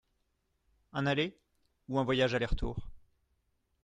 Un aller ou un voyage aller-retour ?